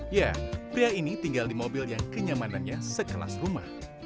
ya pria ini tinggal di mobil yang kenyamanannya sekelas rumah